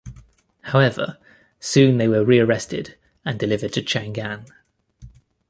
However, soon they were rearrested and delivered to Chang'an.